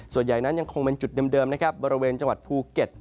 ส่วนใหญ่นั้นยังคงเป็นจุดเดิมนะครับบริเวณจังหวัดภูเก็ต